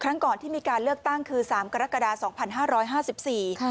ก่อนที่มีการเลือกตั้งคือสามกรกฎาสองพันห้าร้อยห้าสิบสี่ค่ะ